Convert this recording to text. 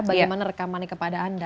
bagaimana rekaman kepada anda